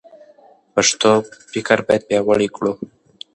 پښتو فکر باید پیاوړی کړو.